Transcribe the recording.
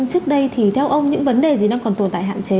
trước đây thì theo ông những vấn đề gì đang còn tồn tại hạn chế